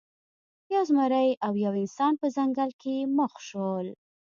یو زمری او یو انسان په ځنګل کې مخ شول.